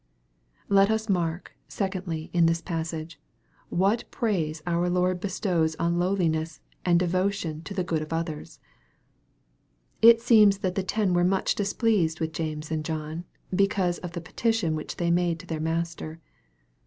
Let us mark, secondly, in this passage, what praise our Lord bestows on lowliness, o.nd devotion to the good of others. It seems that the ten were much displeased with James and John, because of the petition which they made to their Master.